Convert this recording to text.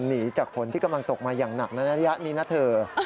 หนีจากฝนที่กำลังตกมาอย่างหนักในระยะนี้นะเธอ